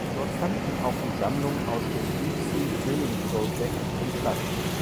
Dort fanden auch die Sammlungen aus dem Deep Sea Drilling Project ihren Platz.